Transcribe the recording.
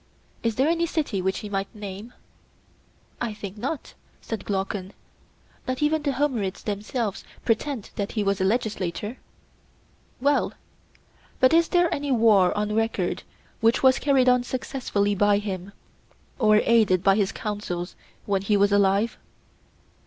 Is there any city which he might name? I think not, said Glaucon; not even the Homerids themselves pretend that he was a legislator. Well, but is there any war on record which was carried on successfully by him, or aided by his counsels, when he was alive?